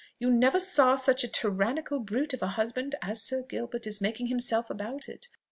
You never saw such a tyrannical brute of a husband as Sir Gilbert is making himself about it!